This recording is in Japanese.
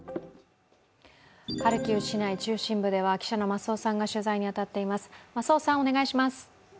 ハルキウ市内中心部では記者の増尾さんが取材に当たっています。